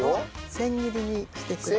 千切りにしてください。